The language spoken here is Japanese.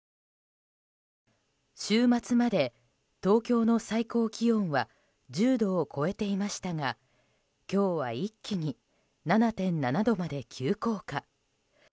週末まで東京の最高気温は１０度を超えていましたが今日は一気に７．７度まで急降下。